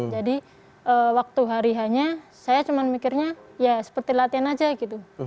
jadi waktu hari hanya saya cuma mikirnya ya seperti latihan aja gitu